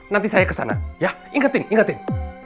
nanti saya kesana ya ingetin ingetin